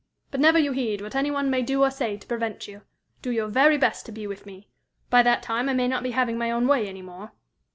But never you heed what any one may do or say to prevent you. Do your very best to be with me. By that time I may not be having my own way any more.